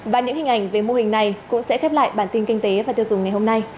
và những hình ảnh về mô hình này cũng sẽ khép lại bản tin kinh tế và tiêu dùng ngày hôm nay